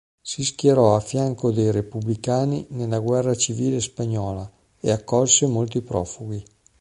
Si schierò a fianco dei repubblicani nella guerra civile spagnola e accolse molti profughi.